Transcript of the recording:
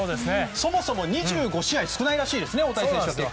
そもそも２５試合少ないらしいですね。